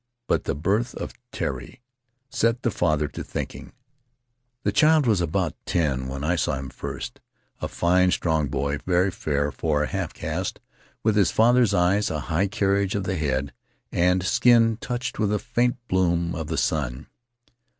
But the birth of Terii set the father to thinking. "The child was about ten when I saw him first, a fine strong boy, very fair for a half caste, with his father's eyes, a high carriage of the head, and skin touched with a faint bloom of the sun.